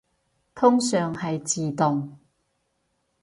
通常係自動